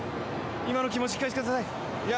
今の気持ち、聞かせてください。